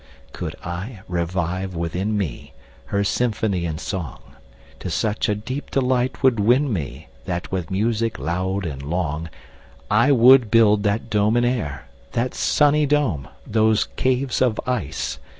Could I revive within me, Her symphony and song, To such a deep delight 'twould win me, That with music loud and long, 45 I would build that dome in air, That sunny dome! those caves of ice!